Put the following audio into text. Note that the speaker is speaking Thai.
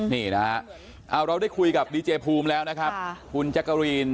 นี่นะฮะเอาเราได้คุยกับดีเจภูมิแล้วนะครับคุณแจ๊กกะรีน